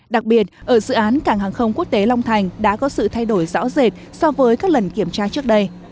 đặc biệt ở dự án cảng hàng không quốc tế long thành đã có sự thay đổi rõ rệt so với các lần kiểm tra trước đây